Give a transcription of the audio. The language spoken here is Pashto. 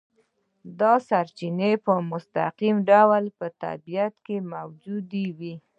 دا سرچینې په مستقیم ډول په طبیعت کې موجودې وي.